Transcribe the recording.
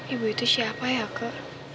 ibu itu siapa ya ke